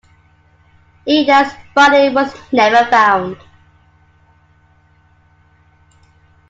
Ida's body was never found.